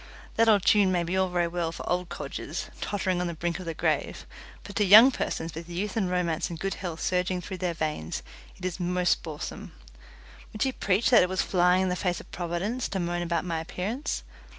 That old tune may be all very well for old codgers tottering on the brink of the grave, but to young persons with youth and romance and good health surging through their veins, it is most boresome. Would she preach that it was flying in the face of providence to moan about my appearance?